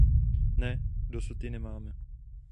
Ne, dosud ji nemáme.